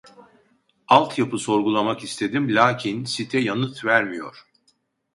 Altyapı sorgulamak istedim lakin site yanıt vermiyor